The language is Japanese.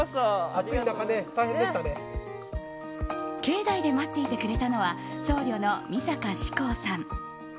境内で待っていてくれたのは僧侶の美坂至光さん。